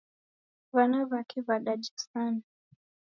W'ana w'ake w'adaja sana